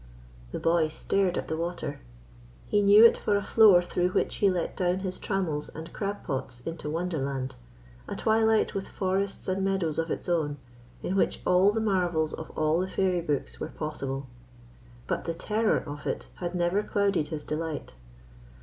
The boy stared at the water. He knew it for a floor through which he let down his trammels and crab pots into wonderland a twilight with forests and meadows of its own, in which all the marvels of all the fairy books were possible; but the terror of it had never clouded his delight.